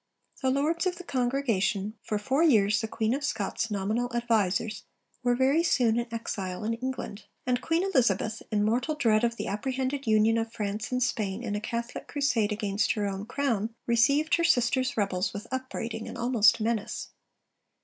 The Lords of the Congregation, for four years the Queen of Scots' nominal advisers, were very soon in exile in England; and Queen Elizabeth, in mortal dread of the apprehended union of France and Spain in a Catholic crusade against her own crown, received 'her sister's rebels' with upbraiding and almost menace.